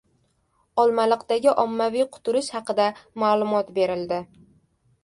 Olmaliqdagi ommaviy quturish haqida ma’lumot berildi